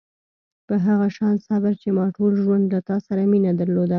په هغه شان صبر چې ما ټول ژوند له تا سره مینه درلوده.